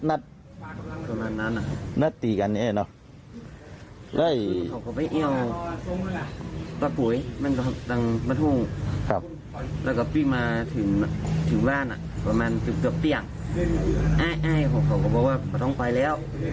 แอ๊ะเขาก็บอกว่าต้องไปแล้ว